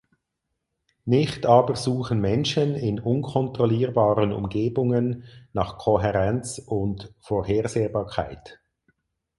Nicht aber suchen Menschen in unkontrollierbaren Umgebungen nach Kohärenz und Vorhersehbarkeit.